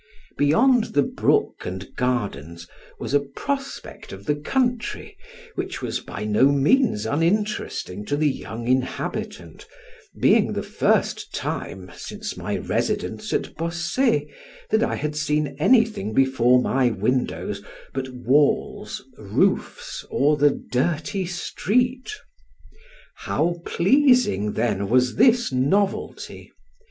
Beyond the brook and gardens was a prospect of the country, which was by no means uninteresting to the young inhabitant, being the first time, since my residence at Bossey, that I had seen anything before my windows but walls, roofs, or the dirty street. How pleasing then was this novelty!